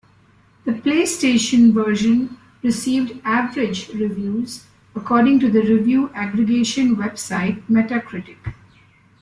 The PlayStation version received "average" reviews according to the review aggregation website Metacritic.